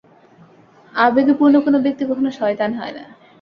আবেগে পূর্ণ কোন ব্যক্তি কখনও শয়তান হয় না।